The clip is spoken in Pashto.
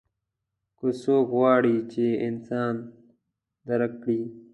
که څوک غواړي چې انسان درک کړي.